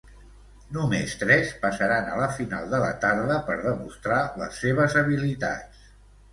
Només tres passaran a la final de la tarda per demostrar les seves habilitats.